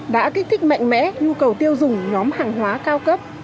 đã kích thích mạnh mẽ nhu cầu tiêu dùng nhóm hàng hóa cao cấp